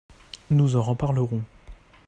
Nous en reparlerons.